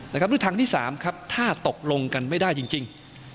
นะครับหรือทางที่สามครับถ้าตกลงกันไม่ได้จริง